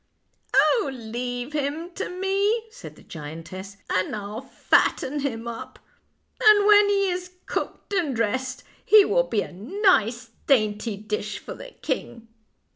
" Oh, leave him to me," said the giantess, " and I'll fatten him up ; and when he is cooked and dressed he will be a nice dainty dish for the king."